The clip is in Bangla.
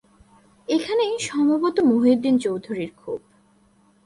এখানেই সম্ভবত মহিউদ্দিন চৌধুরীর ক্ষোভ।